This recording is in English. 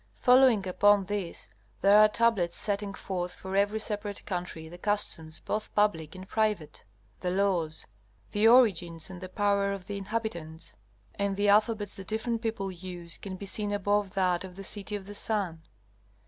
Following upon this, there are tablets setting forth for every separate country the customs both public and private, the laws, the origins and the power of the inhabitants; and the alphabets the different people use can be seen above that of the City of the Sun.